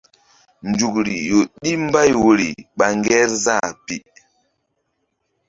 Nzukri ƴo ɗi mbay woyri ɓa Ŋgerzah pi.